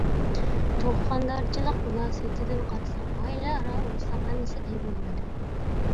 تۇغقاندارچىلىق مۇناسىۋىتىدىن قارىساق، ئائىلە ئارا ئۇلىساق ھەممىسى ئەي بولمايدۇ.